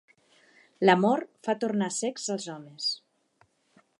L'amor fa tornar cecs els homes.